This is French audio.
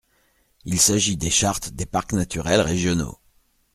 Il s’agit des chartes des parcs naturels régionaux.